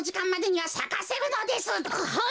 はい！